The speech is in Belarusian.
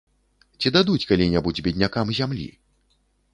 Ці дадуць калі-небудзь беднякам зямлі?